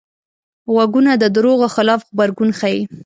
غوږونه د دروغو خلاف غبرګون ښيي